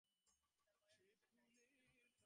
তিনি তাঁর ভাইয়ের এই দুঃখের কাহিনী মেয়েদের শোনালেন।